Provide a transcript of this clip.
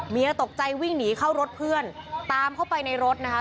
ตกใจวิ่งหนีเข้ารถเพื่อนตามเข้าไปในรถนะคะ